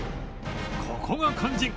ここが肝心！